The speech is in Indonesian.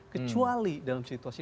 kecuali dalam situasi